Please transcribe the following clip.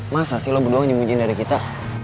masa sih lo berdua yang dimujiin dari kita